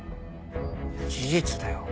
事実だよ。